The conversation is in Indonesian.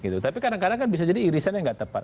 tapi kadang kadang kan bisa jadi irisannya nggak tepat